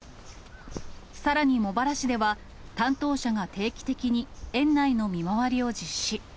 さらに茂原市では、担当者が定期的に園内の見回りを実施。